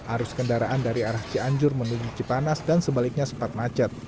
arus kendaraan dari arah cianjur menuju cipanas dan sebaliknya sempat macet